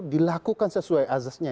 dilakukan sesuai azasnya